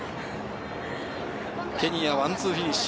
ケニアがワンツーフィニッシュ。